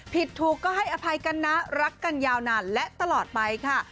ผิดถูกก็ให้อภัยกันนะรักกันยาวนานและตลอดไปค่ะ